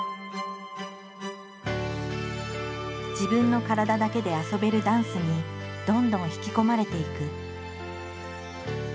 自分の体だけで遊べるダンスにどんどん引き込まれていく。